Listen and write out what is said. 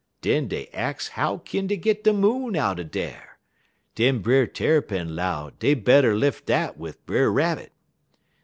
"Den dey ax how kin dey git de Moon out er dar, den Brer Tarrypin 'low dey better lef' dat wid Brer Rabbit.